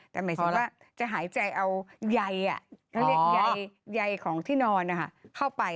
แต่หมายถึงว่าจะหายใจเอายายของที่นอนเข้าไป